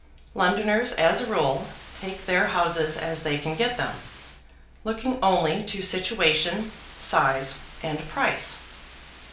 Londoners, as a rule, take their houses as they can get them, looking only to situation, size, and price.